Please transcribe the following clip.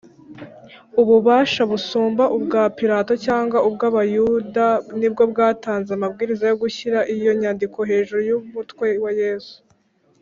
ububasha busumba ubwa pilato cyangwa ubw’abayuda nibwo bwatanze amabwiriza yo gushyira iyo nyandiko hejuru y’umutwe wa yesu